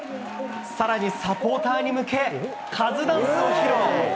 さらに、サポーターに向け、カズダンスを披露。